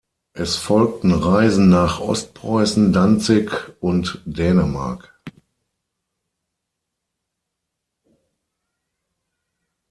Es folgten Reisen nach Ostpreußen, Danzig und Dänemark.